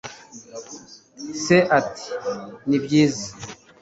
Se ati: "Ni byiza."